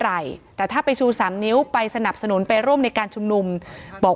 อะไรแต่ถ้าไปชูสามนิ้วไปสนับสนุนไปร่วมในการชุมนุมบอก